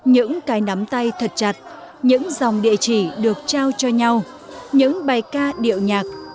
những cái nắm tay thật chặt những dòng địa chỉ được trao cho nhau những bài ca điệu nhạc